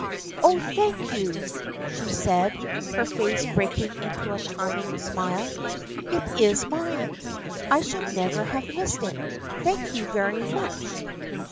" Oh, thank you !" she said, her face breaking into a charming smile. " It is mine ! I should never have missed it. Thank you very much